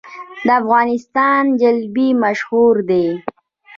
د افغانستان جلبي مشهوره ده